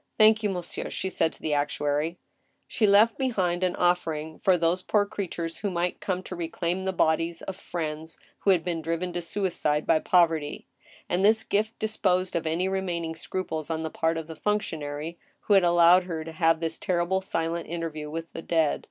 " Thank you, monsieur," she said to the actuary. She left behind an offering for those poor creatures who might come to reclaim the bodies of friends who had been driven to suicide by poverty ; and this gift disposed of any remaining scruples on the part of the functionary who had allowed her to have this terrible silent interview with the dead.